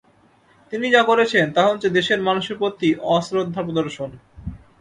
তিনি যা করেছেন, তা হচ্ছে দেশের মানুষের প্রতি অশ্রদ্ধা প্রদর্শন।